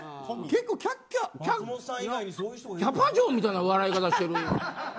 キャバ嬢みたいな笑い方しとる。